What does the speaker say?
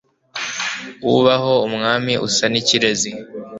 Ubaho Umwami usa n' ikirezi.